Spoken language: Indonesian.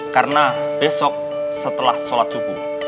karena besok setelah sholat subuh